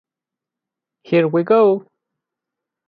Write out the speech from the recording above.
Here We Go!